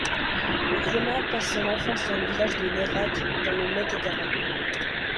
Romain passe son enfance dans le village de Nérac, dans le Lot-et-Garonne.